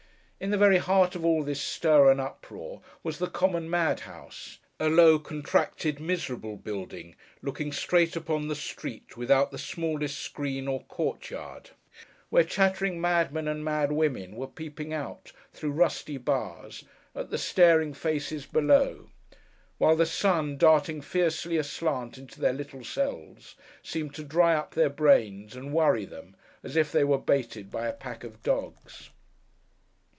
In the very heart of all this stir and uproar, was the common madhouse; a low, contracted, miserable building, looking straight upon the street, without the smallest screen or court yard; where chattering mad men and mad women were peeping out, through rusty bars, at the staring faces below, while the sun, darting fiercely aslant into their little cells, seemed to dry up their brains, and worry them, as if they were baited by a pack of dogs.